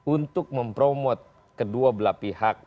untuk mempromot kedua belah pihak